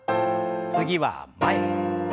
次は前。